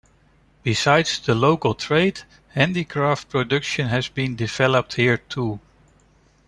Besides the local trade, handicraft production has been developed here, too.